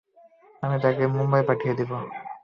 আমি তাকে মুম্বাইতে পাঠিয়ে দিবো।